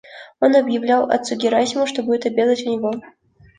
Он объявлял отцу Герасиму, что будет обедать у него.